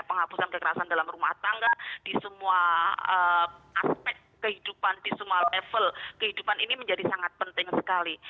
penghapusan kekerasan dalam rumah tangga di semua aspek kehidupan di semua level kehidupan ini menjadi sangat penting sekali